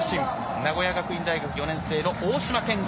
名古屋学院大学４年生の大島健吾。